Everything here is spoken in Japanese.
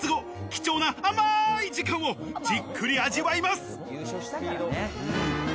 貴重な甘い時間をじっくり味わいます。